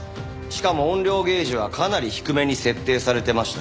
しかも音量ゲージはかなり低めに設定されてましたし。